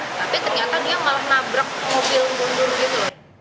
tapi ternyata dia malah nabrak mobil mundur gitu loh